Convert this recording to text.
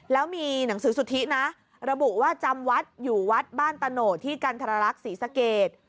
แล้วมีหนังสือสุทธินะระบุว่าจำวัดอยู่วัดบ้านตะโหดที่กันทรรักษศรีสเกต